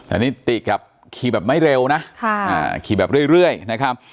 อันนี้ติกครับขี่แบบไม่เร็วนะค่ะอ่าขี่แบบเรื่อยเรื่อยนะครับ